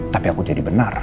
tapi aku jadi benar